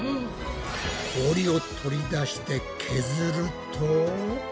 氷を取り出して削ると。